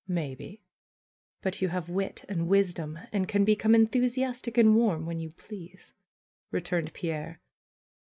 ^^May be! But you have wit and wisdom, and can become enthusiastic and warm when you please," re turned Pierre.